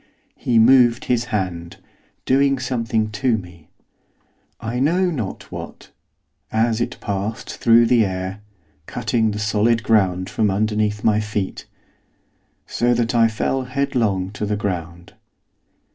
He moved his hand, doing something to me, I know not what, as it passed through the air cutting the solid ground from underneath my feet, so that I fell headlong to the ground.